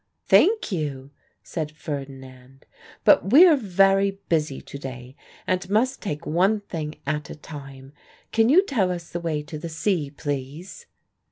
"Thank you," said Ferdinand. "But we are very busy to day and must take one thing at a time. Can you tell us the way to the sea, please?"